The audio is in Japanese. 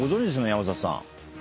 山里さん。